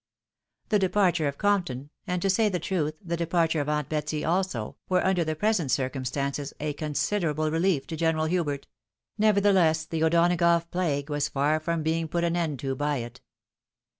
The departure of Compton, and, to say the truth, the departure of aunt Betsy also, were, under the present circum stances, a considerable relief to General Hubert ; nevertheless, the O'Donagough plague was far from being put an end to by it.